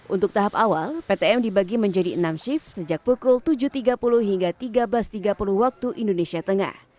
untuk tahap awal ptm dibagi menjadi enam shift sejak pukul tujuh tiga puluh hingga tiga belas tiga puluh waktu indonesia tengah